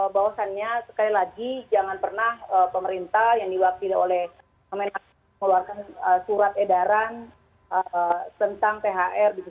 bahwasannya sekali lagi jangan pernah pemerintah yang diwakili oleh mengeluarkan surat edaran tentang thr